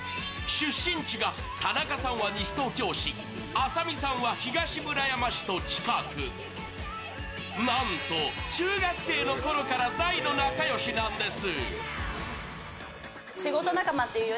出身地が田中さんは西東京市、浅見さんは東村山市と近くなんと中学生のころから大の仲良しなんです。